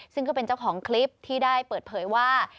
ซึ่งก็เป็นเจ้าของคลิปที่ได้เปิดเผยว่า